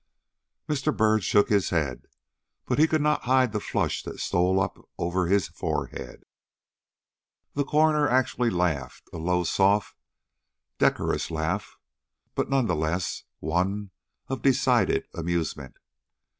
Mr. Byrd shook his head, but could not hide the flush that stole up over his forehead. The coroner actually laughed, a low, soft, decorous laugh, but none the less one of decided amusement.